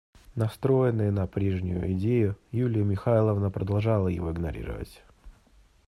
Настроенная на прежнюю идею, Юлия Михайловна продолжала его игнорировать.